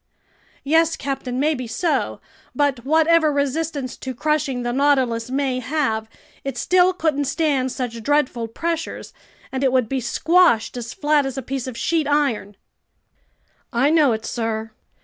"Yes, captain, maybe so. But whatever resistance to crushing the Nautilus may have, it still couldn't stand such dreadful pressures, and it would be squashed as flat as a piece of sheet iron." "I know it, sir.